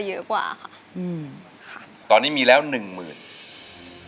ถ้ายุดไม่อยากจะเล่นต่อแล้วขึ้นเป็นสิทธิ์ของออม